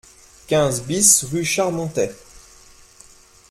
quinze BIS rue Charmontet